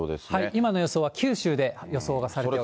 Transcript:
今の予想は九州で予想がされています。